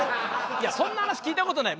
いやそんな話聞いたことない。